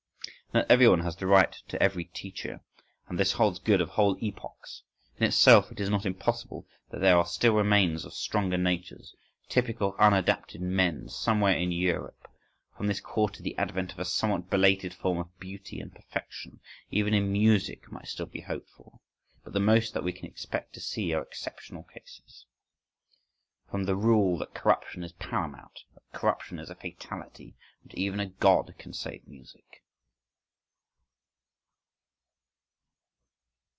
Not everyone has the right to every teacher: and this holds good of whole epochs.—In itself it is not impossible that there are still remains of stronger natures, typical unadapted men, somewhere in Europe: from this quarter the advent of a somewhat belated form of beauty and perfection, even in music, might still be hoped for. But the most that we can expect to see are exceptional cases. From the rule, that corruption is paramount, that corruption is a fatality,—not even a God can save music.